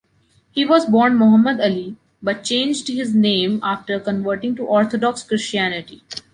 He was born Mohammed Ali, but changed his name after converting to Orthodox Christianity.